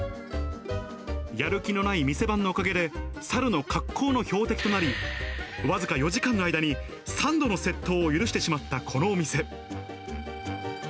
やる気のない店番のおかげで、猿の格好の標的となり、僅か４時間の間に３度の窃盗を許してしまったこのお店。